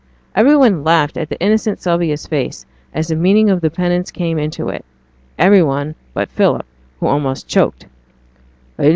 Every one laughed at innocent Sylvia's face as the meaning of her penance came into it, every one but Philip, who almost choked.